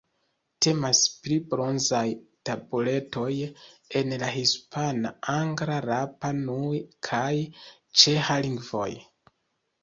Temas pri bronzaj tabuletoj en la hispana, angla, rapa-nui kaj ĉeĥa lingvoj.